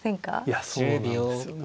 いやそうなんですよね